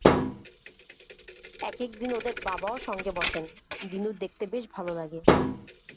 একেক দিন ওদের বাবাও সঙ্গে বসেন, দিনুর দেখতে বেশ লাগে।